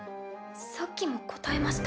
さっきも答えました。